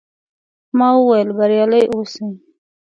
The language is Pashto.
ما وویل، بریالي اوسئ.